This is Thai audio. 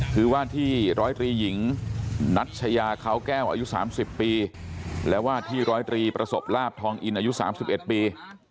คือว่าที่ร้อยตรีหญิงนัชยาเขาแก้วอายุ๓๐ปีและว่าที่ร้อยตรีประสบลาบทองอินอายุ๓๑ปี